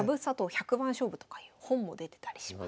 百番勝負とかいう本も出てたりします。